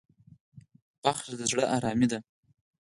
بخښنه د زړه ارامي ده.